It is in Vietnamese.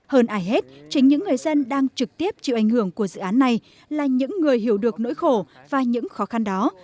hơn ai hết chính những người dân đang trực tiếp chịu ảnh hưởng của dự án này là những người hiểu được nỗi khổ và những khó khăn đó